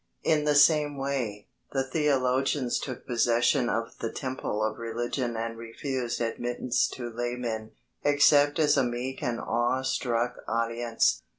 In the same way, the theologians took possession of the temple of religion and refused admittance to laymen, except as a meek and awe struck audience.